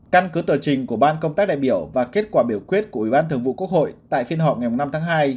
căn cứ tờ trình của ban công tác đại biểu và kết quả biểu quyết của ủy ban thường vụ quốc hội tại phiên họp ngày năm tháng hai